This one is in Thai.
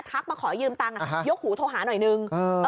มาขอยืมตังค์ยกหูโทรหาหน่อยนึง